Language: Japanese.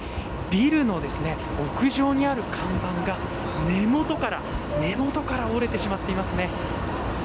ビルの屋上にある看板が根元から折れてしまっていますね。